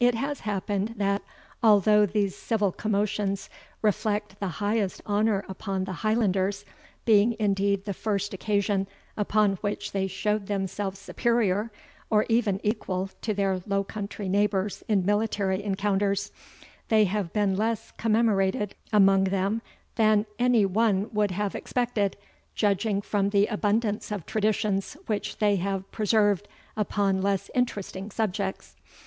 It has happened, that, although these civil commotions reflect the highest honour upon the Highlanders, being indeed the first occasion upon which they showed themselves superior, or even equal to their Low country neighbours in military encounters, they have been less commemorated among them than any one would have expected, judging from the abundance of traditions which they have preserved upon less interesting subjects.